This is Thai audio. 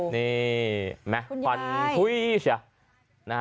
นี่มั้ยฟันคุณยายอุ๊ยเสีย